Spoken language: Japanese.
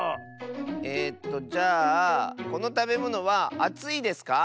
えっとじゃあこのたべものはあついですか？